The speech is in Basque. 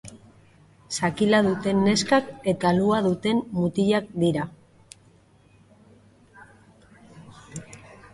Zakila duten neskak eta alua duten mutilak dira.